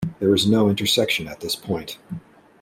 There is no intersection at this point.